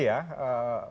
bagi kami sih ya